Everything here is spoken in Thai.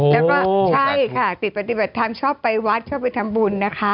แล้วก็ใช่ค่ะติดปฏิบัติธรรมชอบไปวัดชอบไปทำบุญนะคะ